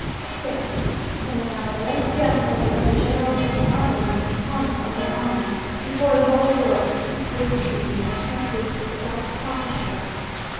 6th, General Valencia and all the other generals of his army, must promise on their honour, before the whole world, to keep this treaty, and see to its exact accomplishment.